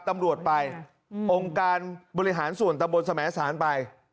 ตำรวจไปองค์การบริหารส่วนตะบนสมสารไป